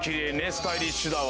スタイリッシュだわ。